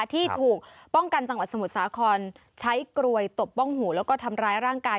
ที่ถูกป้องกันจังหวัดสมุทรสาครใช้กรวยตบป้องหูแล้วก็ทำร้ายร่างกาย